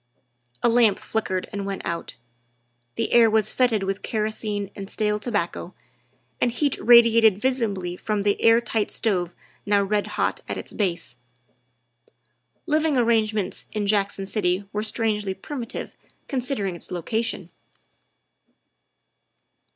A lamp flickered and went out ; the air was fetid with kerosene and stale tobacco, and heat radiated visibly 26 THE WIFE OF from the air tight stove now red hot at its base. Living arrangements in Jackson City were strangely primitive considering its location.